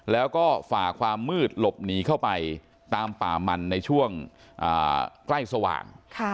แล้วก็ฝ่าความมืดหลบหนีเข้าไปตามป่ามันในช่วงใกล้สว่าง